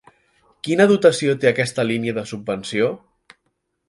Quina dotació té aquesta línia de subvenció?